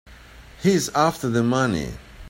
He's after the money.